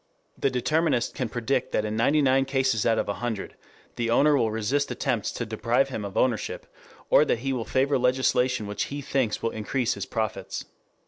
The determinist can predict that in ninety nine cases out of a hundred the owner will resist attempts to deprive him of ownership, or that he will favor legislation which he thinks will increase his profits.